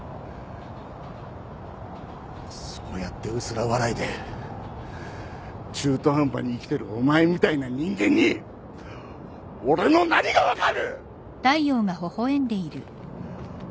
そうやって薄ら笑いで中途半端に生きてるお前みたいな人間に俺の何が分かる！？